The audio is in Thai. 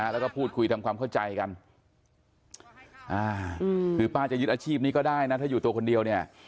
แล้วก็พูดคุยทำความเข้าใจกันคือป้าจะยึดอาชีพนี้ก็ได้นะถ้าอยู่ตัวคนเดียวเนี่ย